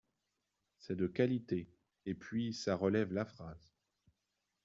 C’est de qualité et puis ça relève la phrase.